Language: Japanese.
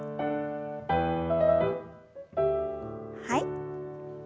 はい。